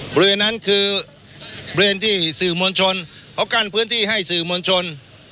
บริเวณนั้นคือบริเวณที่สื่อมวลชนเขากั้นพื้นที่ให้สื่อมวลชน